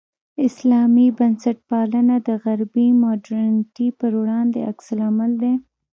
اسلامي بنسټپالنه د غربي مډرنیتې پر وړاندې عکس العمل دی.